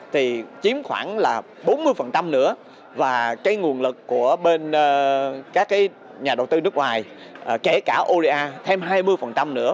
thì chiếm khoảng là bốn mươi nữa và cái nguồn lực của bên các cái nhà đầu tư nước ngoài kể cả oda thêm hai mươi nữa